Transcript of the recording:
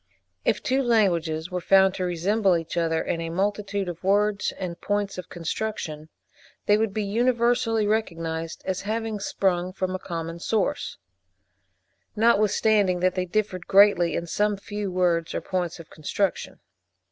If two languages were found to resemble each other in a multitude of words and points of construction, they would be universally recognised as having sprung from a common source, notwithstanding that they differed greatly in some few words or points of construction.